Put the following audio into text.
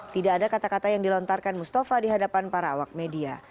tidak ada kata kata yang dilontarkan mustafa di hadapan para awak media